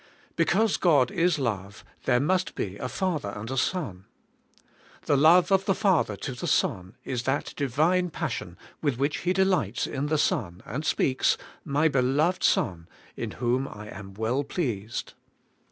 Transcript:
Because God is love, there must be a Father and a Son. The love of the Father to the Son is that Divine passion with which He delights in the Son, and speaks, 'My beloved Son, in whom I am well pleased.'